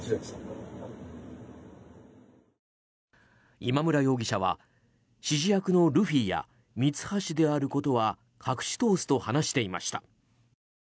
今村容疑者は、指示役のルフィやミツハシであることは隠し通すと話していました。